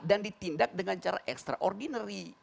dan ditindak dengan cara extraordinary